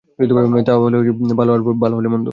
ভালো হলে ভালো আর মন্দ হলে মন্দ।